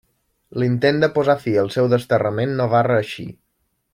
L'intent de posar fi al seu desterrament no va reeixir.